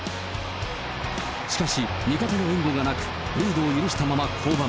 しかし、味方の援護がなく、リードを許したまま降板。